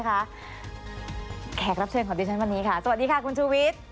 แขกรับเชิญของดิฉันวันนี้ค่ะสวัสดีค่ะคุณชูวิทย์